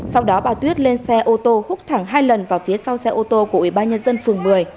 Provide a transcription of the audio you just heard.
sau đó bà tuyết lên xe ô tô hút thẳng hai lần vào phía sau xe ô tô của ủy ban nhân dân phường một mươi